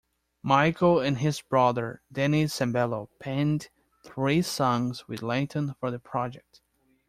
Michael and his brother Danny Sembello penned three songs with Lington for the project.